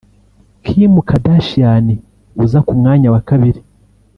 Kim Kardashian uza ku mwanya wa kabiri